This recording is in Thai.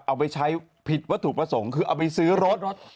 เอาไปใช้ผิดวัตถุประสงค์คือเอาไปซื้อรถ